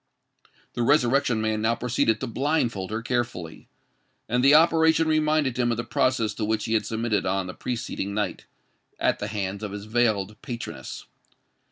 The Resurrection Man now proceeded to blindfold her carefully; and the operation reminded him of the process to which he had submitted on the preceding night, at the hands of his veiled patroness.